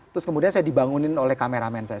terus kemudian saya dibangunin oleh kameramen saya